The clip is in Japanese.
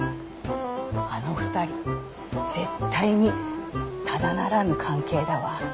あの２人絶対にただならぬ関係だわ。